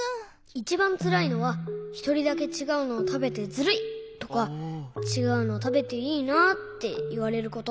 いちばんつらいのは「ひとりだけちがうのをたべてずるい」とか「ちがうのたべていいな」っていわれること。